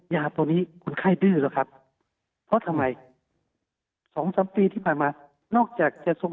ยาตัวนี้คนไข้ดื้อแล้วครับเพราะทำไม๒๓ปีที่ผ่านมานอกจากจะทรง